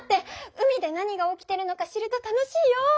海で何が起きてるのか知ると楽しいよ！